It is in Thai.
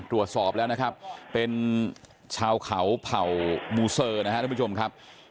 ตรวจสอบแล้วนะครับเป็นชาวเขาเผ่ามูเซอร์นะครับทุกผู้ชมครับ